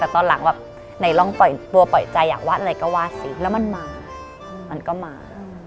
แต่ตอนหลังแบบไหนลองปล่อยตัวปล่อยใจอยากวาดอะไรก็ว่าสิแล้วมันมามันก็มา